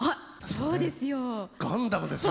そうなんですよ！